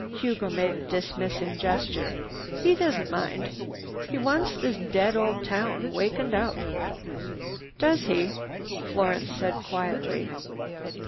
Hugo made a dismissing gesture. "He doesn't mind. He wants this dead old town wakened up!" "Does he?" Florence said quietly.